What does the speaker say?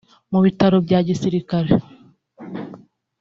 Mu bitaro bya gisirikare